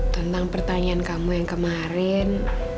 tentang pertanyaan kamu yang kemarin